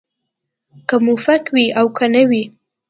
که موفق وي او که نه وي.